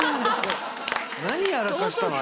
何やらかしたの？